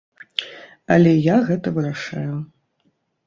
Але я гэта вырашаю.